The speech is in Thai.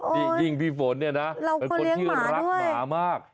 จริงพี่ฝนนะเป็นคนที่รักหมามาก